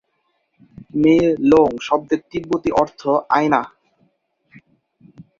মে-লোং শব্দের তিব্বতী অর্থ আয়না।